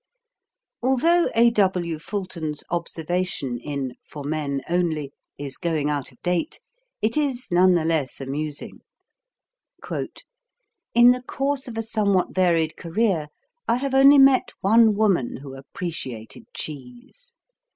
Although A. W. Fulton's observation in For Men Only is going out of date, it is none the less amusing: In the course of a somewhat varied career I have only met one woman who appreciated cheese.